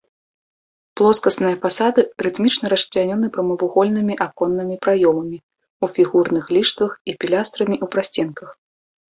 Плоскасныя фасады рытмічна расчлянёны прамавугольнымі аконнымі праёмамі ў фігурных ліштвах і пілястрамі ў прасценках.